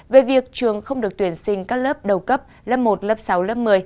về việc trường không được tuyển sinh các lớp đầu cấp lớp một lớp sáu lớp một mươi